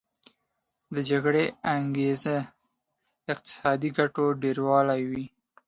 د جګړې انګیزه د اقتصادي ګټو ډیرول وي